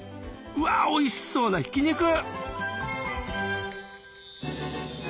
うわおいしそうなひき肉！